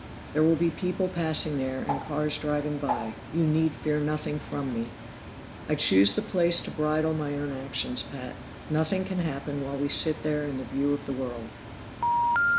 There will be people passing there, and cars driving by; you need fear nothing from me. I choose the place to bridle my own actions, Pat; nothing can happen while we sit there in the view of the world.